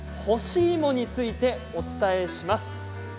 干し芋についてお伝えします。